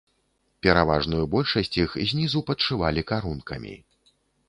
Пераважную большасць іх знізу падшывалі карункамі.